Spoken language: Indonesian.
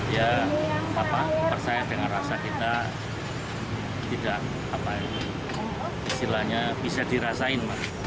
ya apa percaya dengan rasa kita tidak istilahnya bisa dirasain